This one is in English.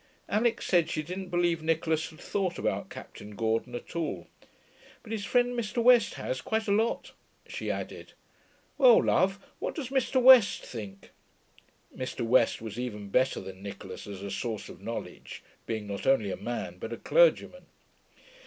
Alix said she didn't believe Nicholas had thought about Captain Gordon at all. 'But his friend Mr. West has, quite a lot,' she added. 'Well, love, what does Mr. West think?' Mr. West was even better than Nicholas as a source of knowledge, being not only a man but a clergyman.